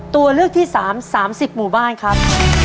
ตัวเลือกที่๓๓๐หมู่บ้านครับ